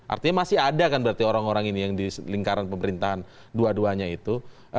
artinya masih ada kan berarti orang orang ini yang di lingkaran pemerintahan dua duanya itu